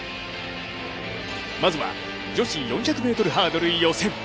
まずは女子４００ｍハードル予選。